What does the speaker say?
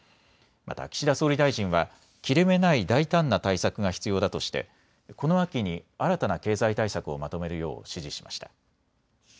また岸田総理大臣は切れ目ない大胆な対策が必要だとしてこの秋に新たな経済対策をまとめるよう指示しました。